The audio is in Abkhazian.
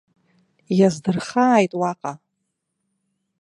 Иаздырхааит уаҟа!